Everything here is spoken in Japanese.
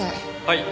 はい。